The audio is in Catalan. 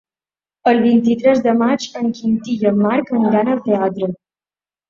El vint-i-tres de maig en Quintí i en Marc aniran al teatre.